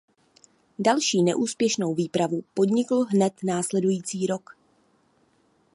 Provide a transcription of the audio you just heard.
Další neúspěšnou výpravu podnikl hned následující rok.